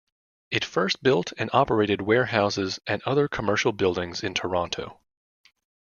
It first built and operated warehouses and other commercial buildings in Toronto.